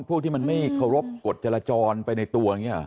พวกที่มันไม่เคารพกฎจราจรไปในตัวอย่างนี้หรอ